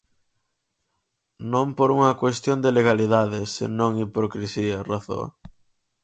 Non por unha cuestión de "legalidade", senón de "hipocrisía", razoa.